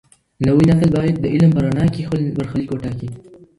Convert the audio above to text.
نوی نسل بايد د علم په رڼا کي خپل برخليک وټاکي.